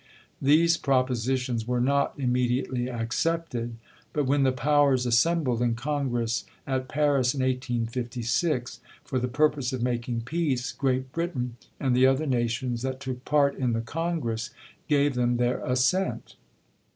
These propositions were not imme diately accepted, but when the powers assembled in congress at Paris in 1856, for the purpose of making peace, Great Britain and the other nations that took part in the congress gave them their assent.